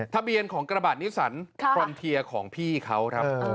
ทะเบียนของกระบาดนิสันฟรอนเทียร์ของพี่เขาครับ